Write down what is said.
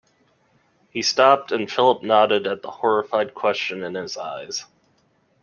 He stopped, and Philip nodded at the horrified question in his eyes.